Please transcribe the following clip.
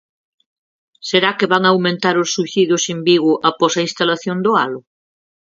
Será que van aumentar os suicidios en Vigo após a instalación do Halo?